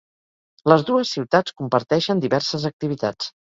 Les dues ciutats comparteixen diverses activitats.